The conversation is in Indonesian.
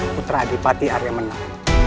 putra adipati arya menang